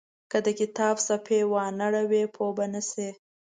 که د کتاب صفحې وانه ړوئ پوه به نه شئ.